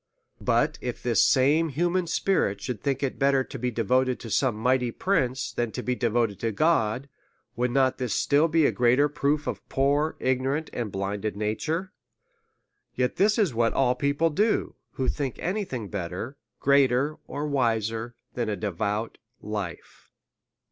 But if this same human spirit should think it better to be devoted to some mighty prince than to be devoted to God, would not this still be a greater proof of a poor, ignorant, and blinded nature / Yet this is what all people do, who think any thing better, greater, or wiser than a devout life.